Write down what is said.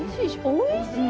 おいしい。